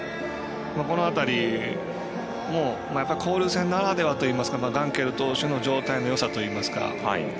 この辺りも交流戦ならではといいますかガンケル投手の状態のよさといいますか。